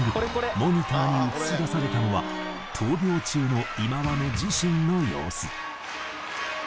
モニターに映し出されたのは闘病中の忌野自身の様子。